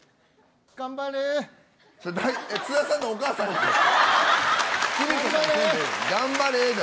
それ津田さんのお母さんやん。